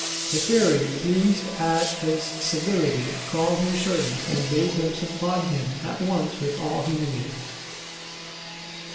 The fairy, pleased at his civility, called her servants and bade them supply him at once with all he needed.